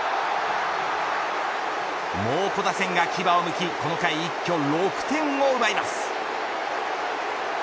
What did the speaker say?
猛虎打線が牙をむきこの回一挙６点を奪います。